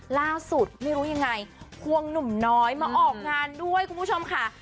ล่าสุดไม่รู้ยังไงควงหนุ่มน้อยมาออกงานด้วยคุณผู้ชมค่ะ